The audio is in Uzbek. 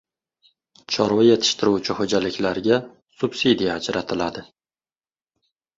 Chorva yetishtiruvchi xo‘jaliklarga subsidiya ajratiladi